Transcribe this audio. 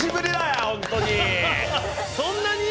そんなに？